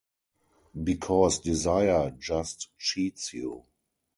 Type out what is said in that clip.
Because desire just cheats you.